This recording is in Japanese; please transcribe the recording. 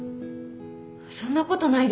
そんなことないですよ。